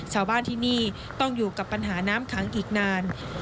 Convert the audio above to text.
ชาวบ้านที่นี่ต้องอยู่กับปัญหาน้ำขังอีกนาน